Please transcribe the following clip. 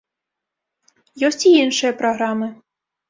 Ёсць і іншыя праграмы.